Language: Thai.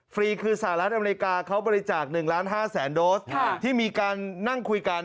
รีคือสหรัฐอเมริกาเขาบริจาค๑ล้าน๕แสนโดสที่มีการนั่งคุยกัน